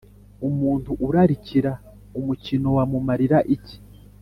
umuntu urarikira, umukiro wamumarira iki?